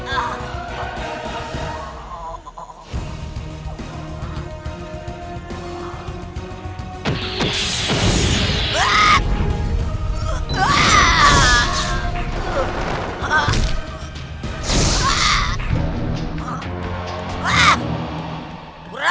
aku akan mengundurmu